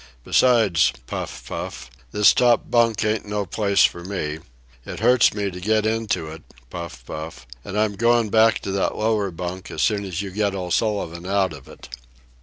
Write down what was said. Besides"—puff, puff—"this top bunk ain't no place for me. It hurts me to get into it"—puff, puff—"an' I'm goin' back to that lower bunk as soon as you get O'Sullivan out of it."